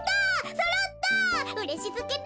そろった！